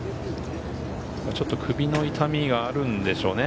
ちょっと首の痛みがあるんでしょうね。